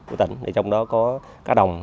của tỉnh trong đó có cá đồng